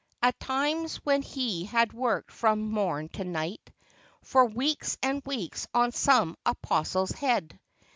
At times, when he had worked from morn to night For weeks and weeks on some apostle's head.